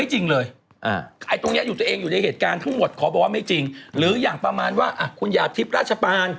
หรืออย่างประมาณว่าคุณหยาดทิพย์ราชปาล